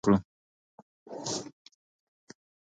که وخت پیدا شي، خبرې به وکړو.